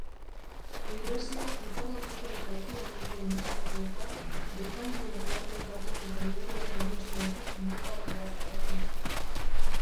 Eurasia iparraldeko eta ekialdeko hemisferioetan, Britainiar Uharteetatik eta Iberiar Penintsulatik mendebaldera zabaltzen da.